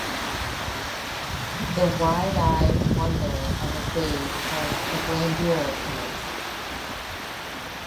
The wide-eyed wonder of a babe has a grandeur in it.